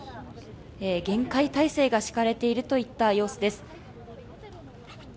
厳戒態勢が敷かれているといった様子です。